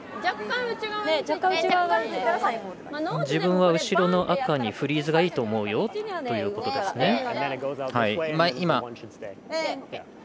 自分は後ろの赤にフリーズがいいと思うよということですね。